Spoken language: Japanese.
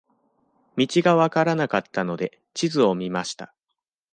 道が分からなかったので、地図を見ました。